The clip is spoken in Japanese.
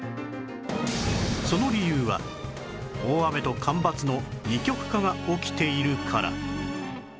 その理由は大雨と干ばつの二極化が起きているから